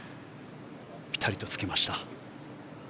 ピタリとつけました。